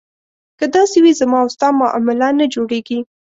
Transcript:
که داسې وي زما او ستا معامله نه جوړېږي.